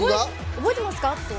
覚えてますか？